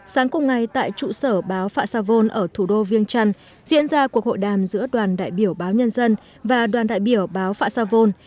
sáng cùng ngày tại trụ sở báo phạ sa vôn ở thủ đô vinh chanh diễn ra cuộc hội đàm giữa đoàn đại biểu báo nhân dân và đoàn đại biểu báo phạ sa vôn